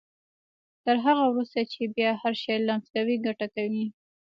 تر هغه وروسته چې بيا هر شی لمس کوئ ګټه کوي.